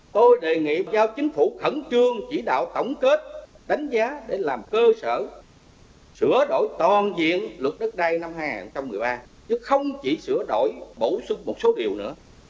tôi đề nghị giao chính phủ khẩn trương chỉ đạo tổng kết đánh giá để làm cơ sở sửa đổi toàn diện luật đất đai năm hai nghìn một mươi ba chứ không chỉ sửa đổi bổ sung một số điều nữa